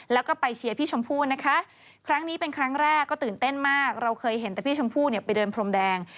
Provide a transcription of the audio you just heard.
แล้วก็ไปเชียร์พี่ชมพู่นะคะครั้งนี้เป็นครั้งแรกก็ตื่นเต้นมากเราเคยเห็นแต่พี่ชมพู่เนี่ยไปเดินพรมแดง